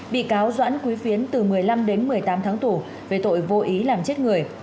bị cáo doãn quý phiến từ một mươi năm đến một mươi tám tháng tù về tội vô ý làm chết người